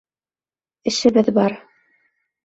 Эшебеҙ бар.